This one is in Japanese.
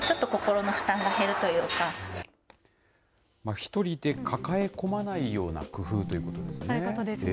１人で抱え込まないような工夫ということですね。